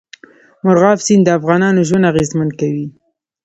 مورغاب سیند د افغانانو ژوند اغېزمن کوي.